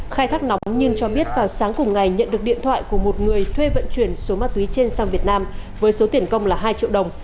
khai thác nóng nhiên cho biết vào sáng cùng ngày nhận được điện thoại của một người thuê vận chuyển số ma túy trên sang việt nam với số tiền công là hai triệu đồng